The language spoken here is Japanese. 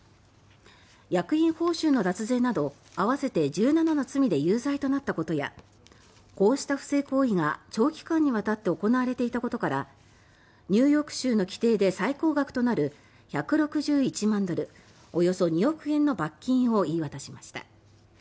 役員報酬の脱税など合わせて１７の罪で有罪となったことやこうした不正行為が長期間にわたって行われていたことからニューヨーク州の規定で最高額となる１６１万ドルおよそ２億円の罰金を言い渡しました。